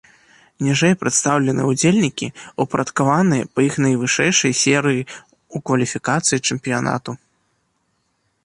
Ніжэй прадстаўлены ўдзельнікі, упарадкаваныя па іх найвышэйшай серыі ў кваліфікацыі чэмпіянату.